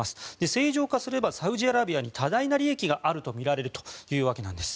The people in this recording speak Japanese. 正常化すればサウジアラビアに多大な利益があるとみられるというわけなんです。